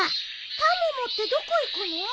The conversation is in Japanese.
タモ持ってどこ行くの？